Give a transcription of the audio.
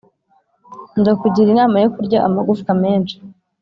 Ndakugira inama yo kurya amagufwa menshi